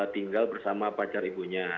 tinggal bersama pacar ibunya